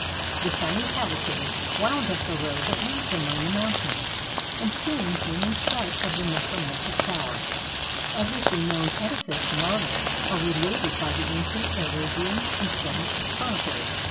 The shining cavalcade wound up the road that leads among the mountains, and soon came in sight of the necromantic tower. 434 KING RODERICK AND THE MAGIC TOWER Of this renowned edifice marvels are related by the ancient Arabian and Spanish chroniclers.